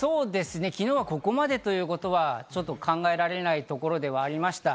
昨日はここまでということはちょっと考えられないところではありました。